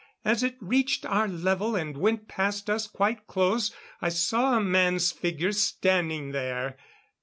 As it reached our level and went past us quite close, I saw a man's figure standing there.